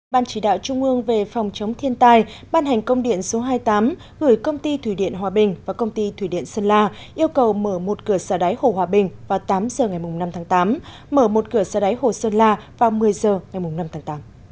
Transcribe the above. ban chỉ đạo trung ương về phòng chống thiên tai ban hành công điện số hai mươi tám gửi công ty thủy điện hòa bình và công ty thủy điện sơn la yêu cầu mở một cửa xả đáy hồ hòa bình vào tám h ngày năm tháng tám mở một cửa xa đáy hồ sơn la vào một mươi h ngày năm tháng tám